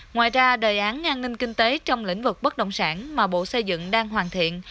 ngoài ra đề án an ninh kinh tế trong lĩnh vực bất động sản mà bộ xây dựng đang hoàn thiện